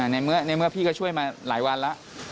ในเมื่อพี่ก็ช่วยมาหลายวันแล้ว